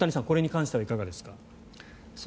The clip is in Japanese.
これに関してはいかがですか。